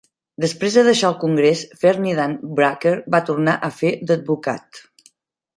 Després de deixar el Congrés, Ferdinand Brucker va tornar a fer d'advocat.